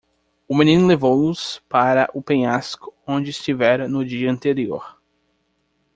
O menino levou-os para o penhasco onde estivera no dia anterior.